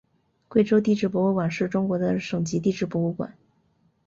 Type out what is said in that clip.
贵州地质博物馆是中国的省级地质博物馆。